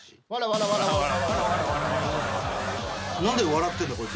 何で笑ってんだ？